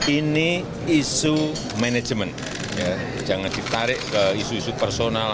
ini isu manajemen jangan ditarik ke isu isu personal